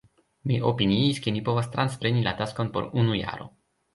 Mi opiniis ke mi povas transpreni la taskon por unu jaro.